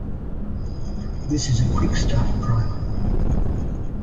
This is a quick start primer.